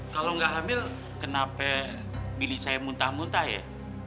kalau gak hamil kenapa milih saya muntah muntah ya